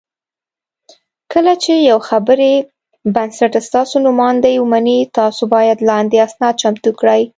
کله چې یو خیري بنسټ ستاسو نوماندۍ ومني، تاسو باید لاندې اسناد چمتو کړئ: